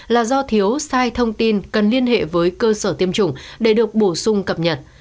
là do thiếu sai thông tin cần liên hệ với cơ sở tiêm chủng để được bổ sung cập nhật